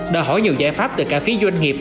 đòi hỏi nhiều giải pháp từ cả phía doanh nghiệp